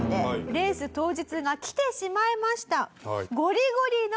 レース当日が来てしまいました。